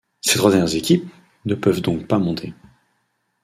Ces trois dernières équipes ne peuvent donc pas monter.